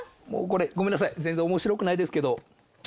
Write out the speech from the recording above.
ごめんなさい全然面白くないですけど。